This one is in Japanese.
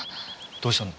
どうしたの？